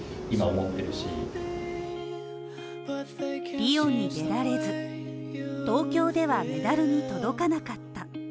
リオに出られず、東京ではメダルに届かなかった。